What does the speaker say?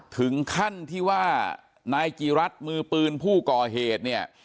ถึงขั้นที่ว่านายจีรัฐมือปืนผู้ก่อเหตุเนี่ย